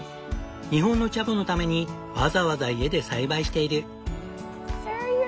日本のチャボのためにわざわざ家で栽培している。